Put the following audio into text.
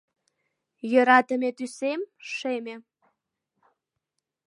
Йӧратыме тӱсем — шеме.